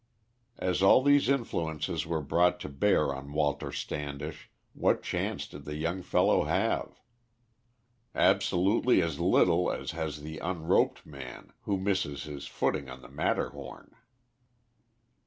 As all these influences were brought to bear on Walter Standish, what chance did the young fellow have? Absolutely as little as has the un roped man who misses his footing on the Matterhorn.